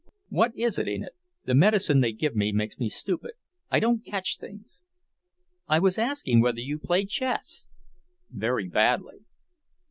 "What is it, Enid? The medicine they give me makes me stupid. I don't catch things." "I was asking whether you play chess." "Very badly."